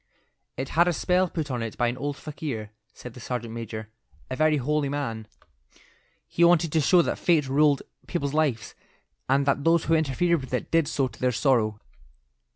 "It had a spell put on it by an old fakir," said the sergeant major, "a very holy man. He wanted to show that fate ruled people's lives, and that those who interfered with it did so to their sorrow.